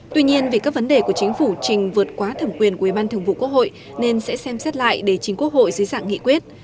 tuy nhiên vì các vấn đề của chính phủ trình vượt quá thẩm quyền của ủy ban thường vụ quốc hội nên sẽ xem xét lại để chính quốc hội dưới dạng nghị quyết